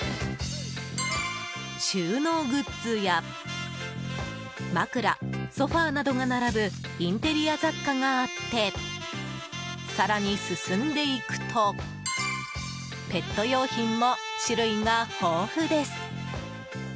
収納グッズや枕、ソファなどが並ぶインテリア雑貨があって更に進んでいくとペット用品も種類が豊富です。